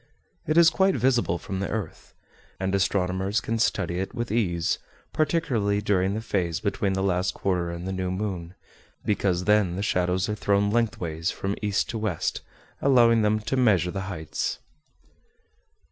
It is quite visible from the earth; and astronomers can study it with ease, particularly during the phase between the last quarter and the new moon, because then the shadows are thrown lengthways from east to west, allowing them to measure the heights.